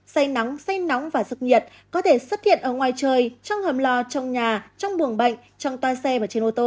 say nắng say nóng và rực nhiệt có thể xuất hiện ở ngoài trời trong hầm lò trong nhà trong buồng bệnh trong toa xe và trên ô tô